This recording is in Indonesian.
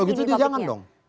kalau gitu jangan dong